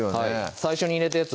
最初に入れたやつ